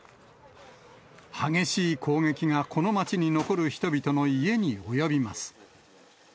激しい攻撃が、この町に残る人々の家に及びます。